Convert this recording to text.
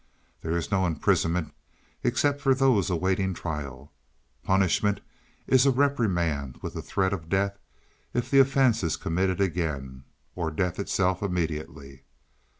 There is no imprisonment, except for those awaiting trial. Punishment is a reprimand with the threat of death if the offense is committed again, or death itself immediately.